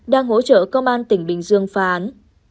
đang hỗ trợ công an tỉnh bình dương phá án